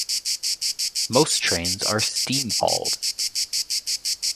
Most trains are steam-hauled.